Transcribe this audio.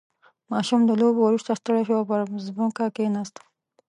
• ماشوم د لوبو وروسته ستړی شو او پر ځمکه کښېناست.